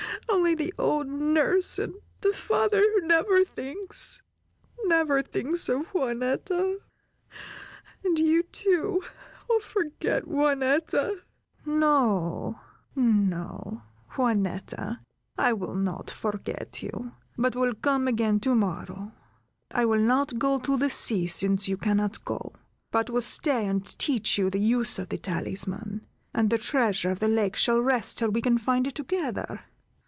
Only the old nurse, and the father who never thinks, never thinks of Juanetta! And you, too, will forget Juanetta!" "No! no, Juanetta, I will not forget you, but will come again to morrow. I will not go to the sea, since you cannot go, but will stay and teach you the use of the talisman, and the treasure of the lake shall rest till we can find it together!